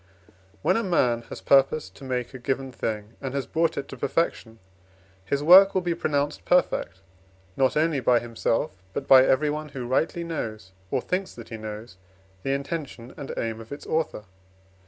When a man has purposed to make a given thing, and has brought it to perfection, his work will be pronounced perfect, not only by himself, but by everyone who rightly knows, or thinks that he knows, the intention and aim of its author.